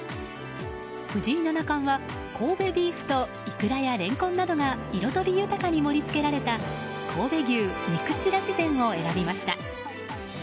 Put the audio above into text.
藤井七冠は、神戸ビーフとイクラやレンコンなどが彩り豊かに盛り付けられた神戸牛肉ちらし膳を選びました。